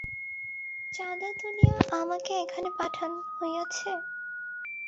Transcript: চাঁদা তুলিয়া আমাকে এখানে পাঠান হইয়াছে।